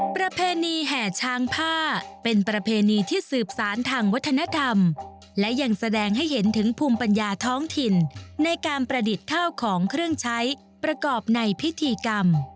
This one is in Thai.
ประเพณีแห่ช้างผ้าเป็นประเพณีที่สืบสารทางวัฒนธรรมและยังแสดงให้เห็นถึงภูมิปัญญาท้องถิ่นในการประดิษฐ์ข้าวของเครื่องใช้ประกอบในพิธีกรรม